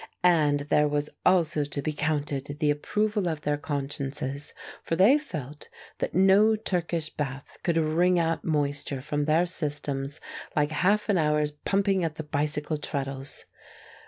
And there was also to be counted the approval of their consciences, for they felt that no Turkish bath could wring out moisture from their systems like half an hour's pumping at the bicycle treadles.